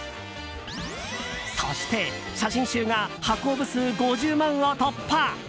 そして、写真集が発行部数５０万を突破。